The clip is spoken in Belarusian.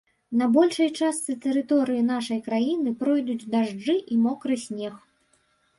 На большай частцы тэрыторыі нашай краіны пройдуць дажджы і мокры снег.